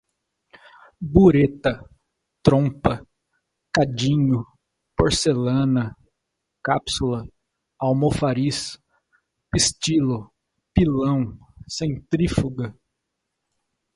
bureta, trompa, cadinho, porcelana, cápsula, almofariz, pistilo, pilão, centrífuga